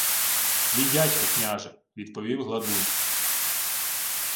— Твій дядько, княже, — відповів гладун.